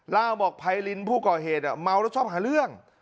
เล่าบอกไพรินผู้ก่อเหตุเมาแล้วชอบหาเรื่อง